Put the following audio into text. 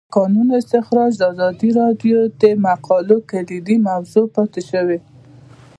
د کانونو استخراج د ازادي راډیو د مقالو کلیدي موضوع پاتې شوی.